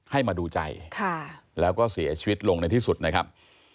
ให้มาดูใจแล้วก็เสียชีวิตลงในที่สุดนะครับ